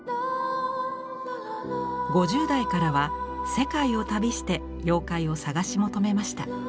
５０代からは世界を旅して妖怪を探し求めました。